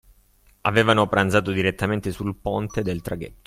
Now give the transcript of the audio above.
Avevano pranzato direttamente sul ponte del traghetto.